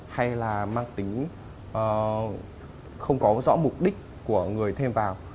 hay là mang tính không có rõ mục đích của người thêm vào